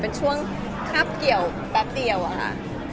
อาทิตย์นึงพวกเขาก็ไปด้วยค่ะ